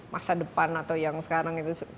masa depan atau yang sekarang itu